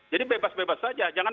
jadi bebas bebas saja jangan